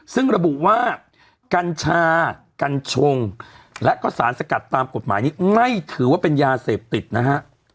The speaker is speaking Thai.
ซึ่งระบุว่ากัญชากัญชงและก็สารสกัดตามกฎหมายนี้ไม่ถือว่าเป็นยาเสพติดนะฮะ